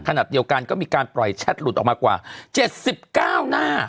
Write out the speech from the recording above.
ขณะเดียวกันก็มีการปล่อยแชทหลุดออกมากว่า๗๙หน้า